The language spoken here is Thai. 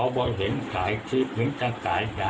คุณผู้ชมค่ะลองดูนิดนึงไหมคะคุณผู้ชมค่ะ